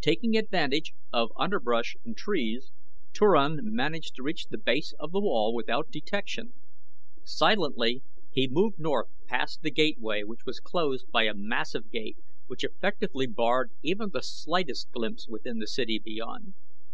Taking advantage of underbrush and trees, Turan managed to reach the base of the wall without detection. Silently he moved north past the gateway which was closed by a massive gate which effectively barred even the slightest glimpse within the city beyond.